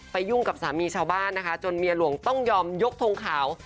ยุ่งกับสามีชาวบ้านนะคะจนเมียหลวงต้องยอมยกทงขาว